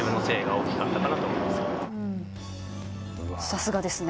さすがですね。